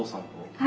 はい。